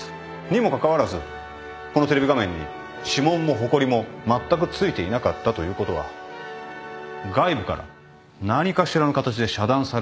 にもかかわらずこのテレビ画面に指紋もほこりもまったく付いていなかったということは外部から何かしらの形で遮断されていたんでしょう。